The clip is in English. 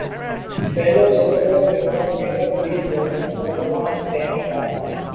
Fellow Civil War general Jacob G. Lauman was born in Taneytown.